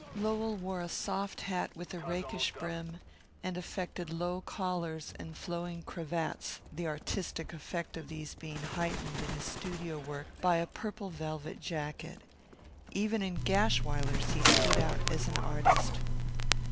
Lowell wore a soft hat with rakish brim, and affected low collars and flowing cravats, the artistic effect of these being heightened in his studio work by a purple velvet jacket. Even in Gashwiler's he stood out as an artist.